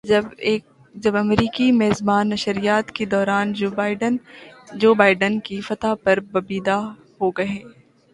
جب امریکی میزبان نشریات کے دوران جو بائیڈن کی فتح پر بدیدہ ہوگئے